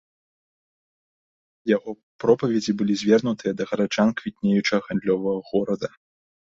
Яго пропаведзі былі звернутыя да гараджан квітнеючага гандлёвага горада.